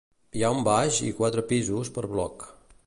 Hi ha un baix i quatre pisos per bloc.